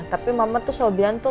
tapi mama tuh selalu bilang tuh